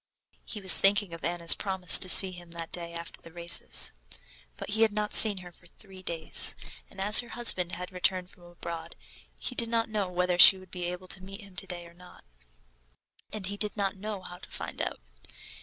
He was thinking of Anna's promise to see him that day after the races. But he had not seen her for three days, and as her husband had just returned from abroad, he did not know whether she would be able to meet him today or not, and he did not know how to find out.